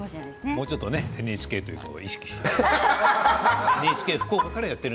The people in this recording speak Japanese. もうちょっとＮＨＫということを意識して。